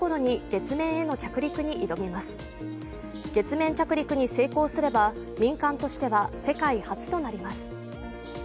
月面着陸に成功すれば民間としては世界初となります。